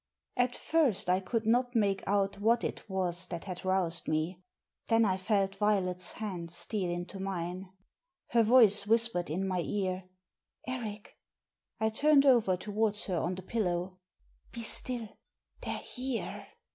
At first I could not make out what it was that had roused me. Then I felt Violet's hand steal into mine. Her voice whispered in my ear, '* Eric !" I turned over towards her on the pillow. " Be stilL They're here."